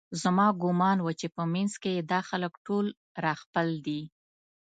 زما ګومان و چې په منځ کې یې دا خلک ټول راخپل دي